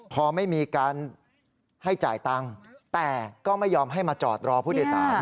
พอไม่มีการให้จ่ายตังค์แต่ก็ไม่ยอมให้มาจอดรอผู้โดยสาร